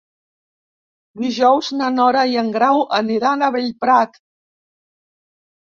Dijous na Nora i en Grau aniran a Bellprat.